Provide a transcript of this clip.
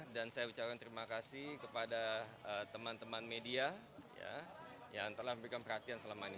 dan saya ucapkan terima kasih kepada teman teman media yang telah memberikan perhatian selama ini